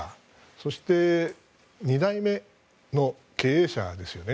そして２代目の経営者ですよね。